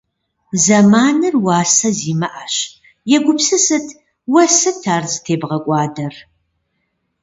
Зэманыр уасэ зимыӏэщ. Егупсысыт, уэ сыт ар зытебгъэкӏуадэр?